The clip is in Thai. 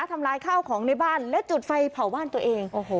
ทำลายข้าวของในบ้านและจุดไฟเผาบ้านตัวเองโอ้โห